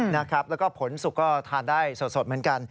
แล้วก็ผลสุกก็ทานได้สดเหมือนกัน